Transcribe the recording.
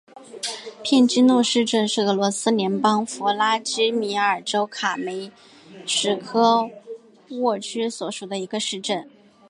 片基诺市镇是俄罗斯联邦弗拉基米尔州卡梅什科沃区所属的一个市镇。